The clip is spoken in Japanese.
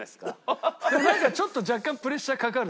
なんかちょっと若干プレッシャーかかるでしょ。